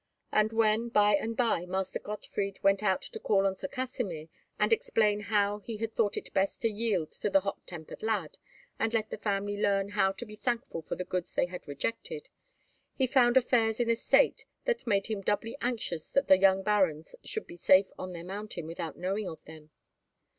And when, by and by, Master Gottfried went out to call on Sir Kasimir, and explain how he had thought it best to yield to the hot tempered lad, and let the family learn how to be thankful for the goods they had rejected, he found affairs in a state that made him doubly anxious that the young barons should be safe on their mountain without knowing of them.